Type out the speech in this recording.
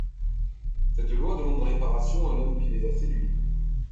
Cette loi demande réparation à l'homme qui les a séduit.